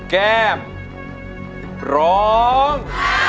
แก้มร้อง